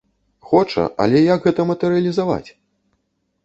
Хоча, але як гэта матэрыялізаваць?